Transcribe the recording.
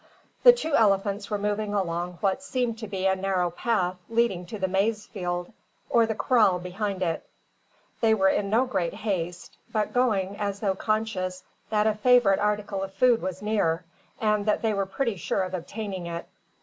The two elephants were moving along what seemed to be a narrow path leading to the maize field, or the kraal beyond it. They were in no great haste, but going as though conscious that a favourite article of food was near, and that they were pretty sure of obtaining it.